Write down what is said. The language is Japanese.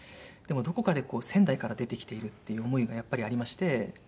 でもどこかでこう仙台から出てきているっていう思いがやっぱりありまして。